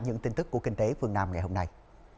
những tin tức của kinh tế phương nam ngày hôm nay